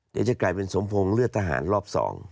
เดี๋ยวจะกลายเป็นสมพงษ์เลือดทหารรอบ๒